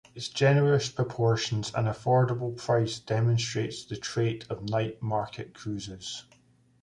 Its generous proportions and affordable price demonstrates the trait of night market cuisines.